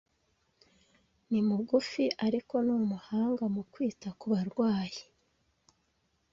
Ni mugufi, ariko ni umuhanga mu kwita kubarwayi